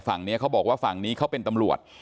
ฝั่งนี้เขาบอกว่าฝั่งนี้เขาเป็นตำรวจ